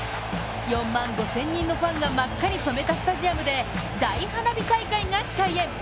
４万５０００人のファンが真っ赤に染めたスタジアムで大花火大会が開演！